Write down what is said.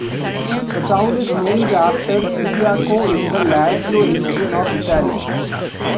The town is named after Subiaco in the Lazio region of Italy.